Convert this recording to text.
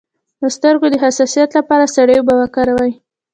د سترګو د حساسیت لپاره سړې اوبه وکاروئ